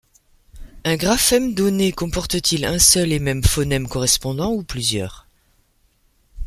Un graphème donné comporte-t-il un seul et même phonème correspondant ou plusieurs?